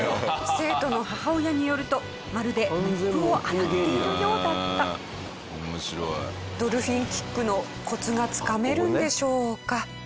生徒の母親によると「まるでモップを洗っているようだった」。ドルフィンキックのコツがつかめるんでしょうか？